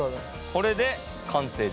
これで完成です。